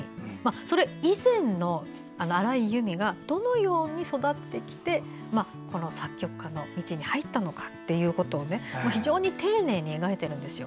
それ以前の荒井由実がどのように育ってきて作曲家の道に入ったのかということを非常に丁寧に描いてるんですよ。